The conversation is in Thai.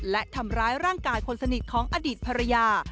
และทำร้ายร่างกายคนสนิทของอดีตภรรยา